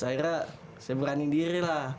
akhirnya saya berani diri lah